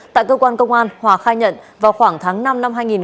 tại cơ quan công an hòa khai nhận vào khoảng tháng năm năm hai nghìn hai mươi ba